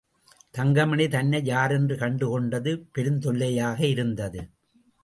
தங்கமணி தன்னை யாரென்று கண்டு கொண்டது பெருந்தொல்லையாக இருந்தது.